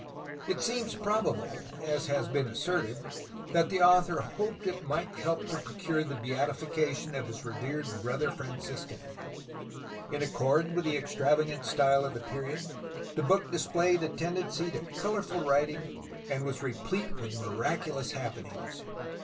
It seems probable, as has been asserted, that the author hoped it might help to procure the beatification of his revered brother Franciscan. In accord with the ex travagant style of the period, the book displayed a tendency 352 JUNlPERO SERRA 353 to colorful writing and was replete with miraculous happen ings.